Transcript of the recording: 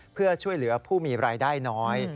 เพื่อช่วยเหลือผู้มีรายได้น้อย